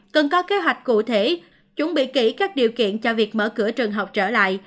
cần có kế hoạch cụ thể chuẩn bị kỹ các điều kiện cho việc mở cửa trường học trở lại